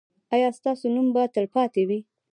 ایا ستاسو نوم به تلپاتې وي؟